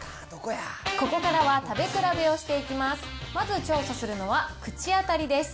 ここからは食べ比べをしていきます。